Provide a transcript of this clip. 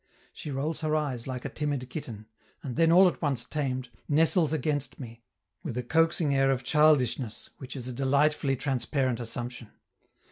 She rolls her eyes like a timid kitten, and then all at once tamed, nestles against me, with a coaxing air of childishness, which is a delightfully transparent assumption.